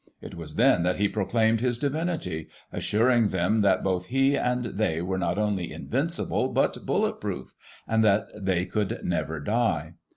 It was then that he proclaimed his divinity — ^assuring them that both he and they were not only invincible, but bullet proof, and that they could never die.